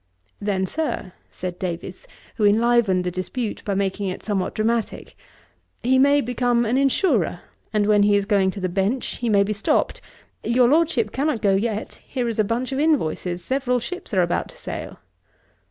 'Then, Sir, (said Davies, who enlivened the dispute by making it somewhat dramatick,) he may become an insurer; and when he is going to the bench, he may be stopped, "Your Lordship cannot go yet: here is a bunch of invoices: several ships are about to sail."'